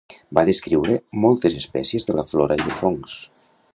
Va descriure moltes espècies de la flora i de fongs.